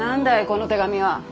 この手紙は。